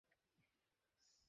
ধন্যবাদ, ব্যুক।